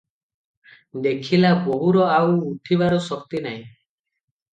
ଦେଖିଲା, ବୋହୂର ଆଉ ଉଠିବାର ଶକ୍ତି ନାହିଁ ।